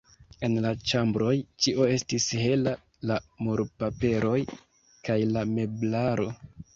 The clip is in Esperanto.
En la ĉambroj ĉio estis hela, la murpaperoj kaj la meblaro.